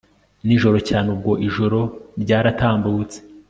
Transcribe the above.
nijoro cyane ubwo ijoro ryaratambutse